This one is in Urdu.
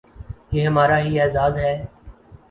یہ ہمارا ہی اعزاز ہے۔